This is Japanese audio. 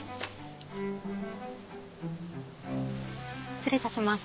失礼いたします。